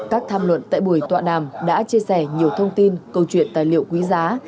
các tham luận tại buổi tọa đàm đã chia sẻ nhiều thông tin câu chuyện tài liệu quý giá